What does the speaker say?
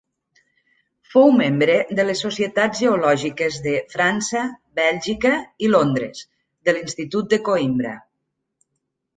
Fou membre de les Societats Geològiques de França, Bèlgica i Londres, de l'Institut de Coïmbra.